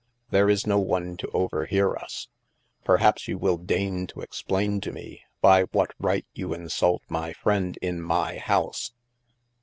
There is no one to overhear us. Perhaps you will deign to explain to me by what right you insult my friend in my house